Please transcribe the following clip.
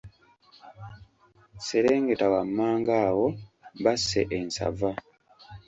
Serengeta wammanga awo basse ensava.